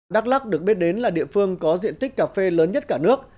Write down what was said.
đắk lắc được biết đến là địa phương có diện tích cà phê lớn nhất cả nước